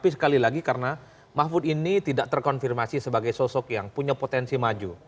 tapi sekali lagi karena mahfud ini tidak terkonfirmasi sebagai sosok yang punya potensi maju